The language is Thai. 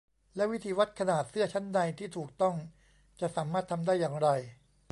แล้ววิธีวัดขนาดเสื้อชั้นในที่ถูกต้องจะสามารถทำได้อย่างไร